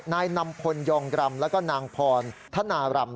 นายนำพลยองกรรมแล้วก็นางพรธนารำ